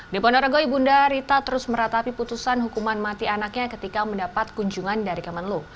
di ponorogo ibunda rita terus meratapi putusan hukuman mati anaknya ketika mendapat kunjungan dari kemenlu